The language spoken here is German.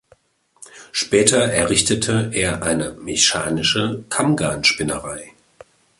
Später errichtete er eine mechanische Kammgarnspinnerei.